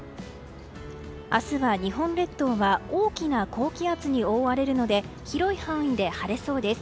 明日は、日本列島は大きな高気圧に覆われるので広い範囲で晴れそうです。